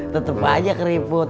tutup aja keriput